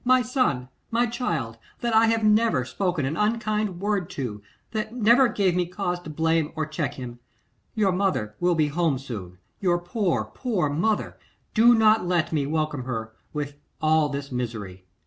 my son, my child, that I never have spoken an unkind word to, that never gave me cause to blame or check him, your mother will be home soon, your poor, poor mother. Do not let me welcome her with all this misery.